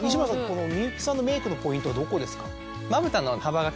この幸さんのメイクのポイントはどこですか？